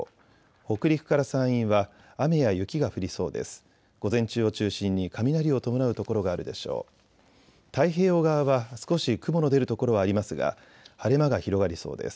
北陸から山陰は雨や雪が降りそうです。